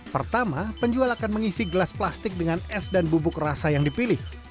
pertama penjual akan mengisi gelas plastik dengan es dan bubuk rasa yang dipilih